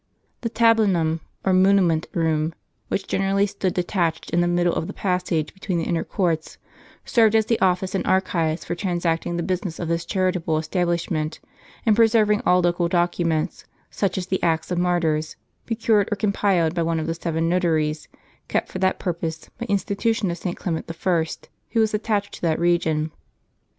The tablinum, or muniment room, which generally stood detached in the middle of the passage between the inner courts, served as the office and archives for transacting the business of this chari table establishment, and preserving all local documents, such as the acts of martyrs, procured or compiled by the one of the seven notaries kept for that purpose, by institution of St. Clement L, who was attached to that region.